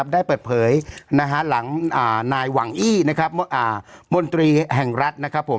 ได้เปิดเผยหลังนายหวังอี้มนตรีแห่งรัฐนะครับผม